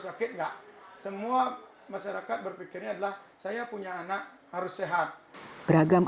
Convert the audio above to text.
sakit enggak semua masyarakat berpikirnya adalah saya punya anak harus sehat beragam